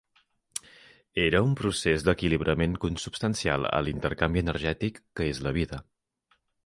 Era un procés d'equilibrament consubstancial a l'intercanvi energètic que és la vida.